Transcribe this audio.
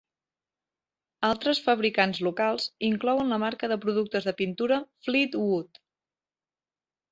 Altres fabricants locals inclouen la marca de productes de pintura Fleetwood.